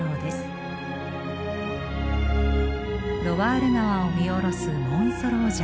ロワール川を見下ろすモンソロー城。